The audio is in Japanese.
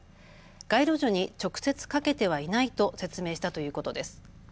街路樹に直接かけてはいないと説明したということです。